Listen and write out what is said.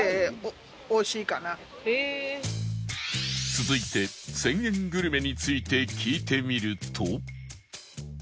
続いて１０００円グルメについて聞いてみると